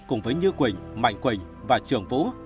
cùng với như quỳnh mạnh quỳnh và trường vũ